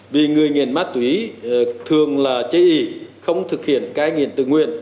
vì người nghiện ma túy thường là chế ý không thực hiện cai nghiện tự nguyện